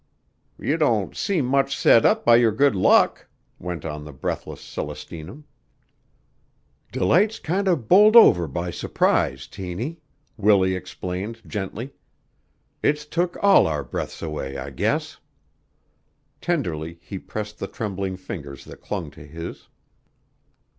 "You don't seem much set up by your good luck," went on the breathless Celestina. "Delight's kinder bowled over by surprise, Tiny," Willie explained gently. "It's took all our breaths away, I guess." Tenderly he pressed the trembling fingers that clung to his.